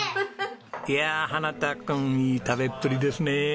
いやあ花太君いい食べっぷりですねえ。